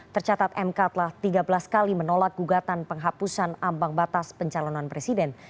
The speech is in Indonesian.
tercatat mk telah tiga belas kali menolak gugatan penghapusan ambang batas pencalonan presiden